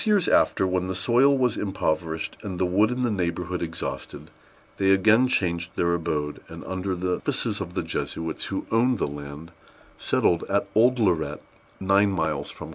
Six years after, when the soil was impoverished and the wood in the neighborhood exhausted, they again changed their abode, and, under the auspices of the Jesuits, who owned the land, settled at Old Lorette, nine miles from Quebec.